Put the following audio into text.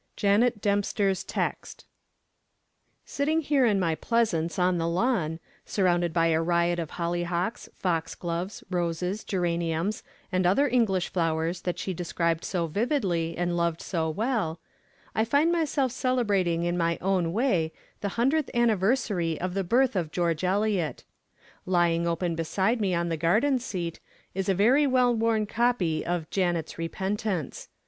XVII JANET DEMPSTER'S TEXT I Sitting here in my pleasaunce on the lawn, surrounded by a riot of hollyhocks, foxgloves, roses, geraniums, and other English flowers that she described so vividly, and loved so well, I find myself celebrating in my own way the hundredth anniversary of the birth of George Eliot. Lying open beside me on the garden seat is a very well worn copy of Janet's Repentance.